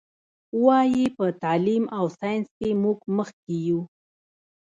وایي: په تعلیم او ساینس کې موږ مخکې یو.